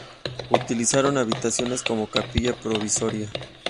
Utilizaron habitaciones como capilla provisoria.